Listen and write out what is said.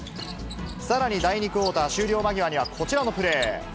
さらに第２クオーター終了間際には、こちらのプレー。